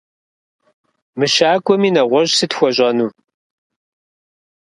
Мыщакӏуэми, нэгъуэщӏ сыт хуэщӏэну?